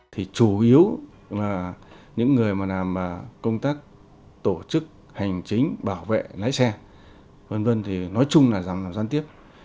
thì chủ yếu là những người mà làm công tác tổ chức hành chính bảo vệ lái xe v v thì nói chung là giảm giảm gian tiếp